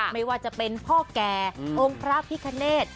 ไม่ว่าจะเป็นพ่อแก่องค์พระพิคเนธ